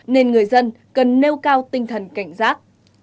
nên người dân cần nêu cao tinh thần cảnh giác